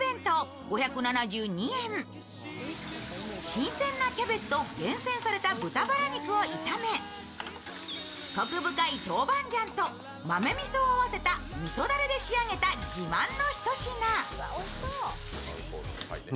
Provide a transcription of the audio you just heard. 新鮮なキャベツと厳選された豚バラ肉をいためコク深いトウバンジャンと豆みそを合わせたみそだれで仕上げた自慢の一品。